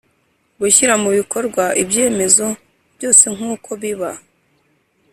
Gushyira mu bikorwa ibyemezo byose nk uko biba